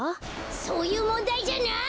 そういうもんだいじゃない！